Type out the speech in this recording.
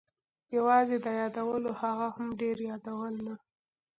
یوازې د یادولو، هغه هم ډېر یادول نه.